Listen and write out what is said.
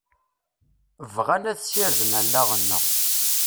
Bɣan ad sirden allaɣ-nneɣ.